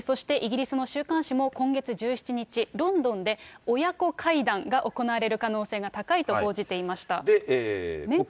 そして、イギリスの週刊誌も、今月１７日、ロンドンで親子会談が行われる可能性が高いと報じていました。